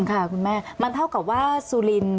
ค่ะคุณแม่มันเท่ากับว่าสุรินทร์